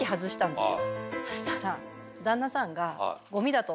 そしたら。